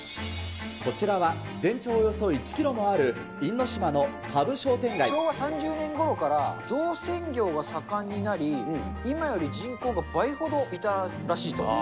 こちらは全長およそ１キロも昭和３０年ごろから、造船業が盛んになり、今より人口が倍ほどいたらしいと。